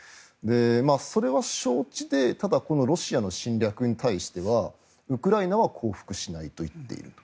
それは承知でただ、ロシアの侵略に対してはウクライナは降伏しないと言っている。